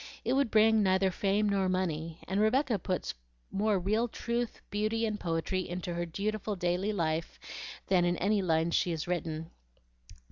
It would bring neither fame nor money, and Rebecca puts more real truth, beauty, and poetry into her dutiful daily life than in any lines she has written."